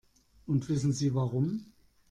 Und wissen Sie warum?